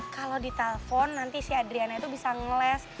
kalau di telfon nanti si adriana itu bisa ngeles